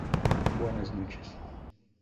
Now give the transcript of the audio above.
Buenas noches.